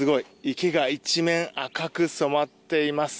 池が一面、赤く染まっています。